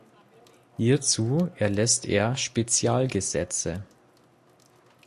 Hierzu erlässt er Spezialgesetze.